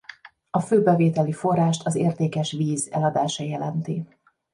A fő bevételi forrást az értékes víz eladása jelenti.